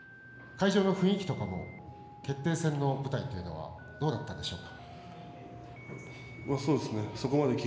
会場の雰囲気とか決定戦の舞台というのはどうだったでしょう？